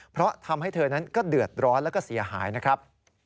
เพราะทำให้เธอนั้นก็เดือดร้อนแล้วก็เสียหายนะครับ